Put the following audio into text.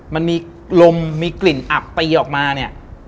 มันมีลมมีกลิ่นอับตีออกมาเนี่ย